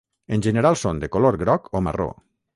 En general són de color groc o marró.